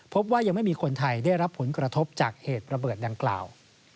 พบว่ายังไม่มีคนไทยได้รับผลกระทบจากเหตุระเบิดดังกล่าว